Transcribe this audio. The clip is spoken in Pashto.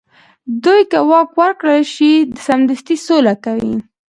دوی که واک ورکړل شي، سمدستي سوله کوي.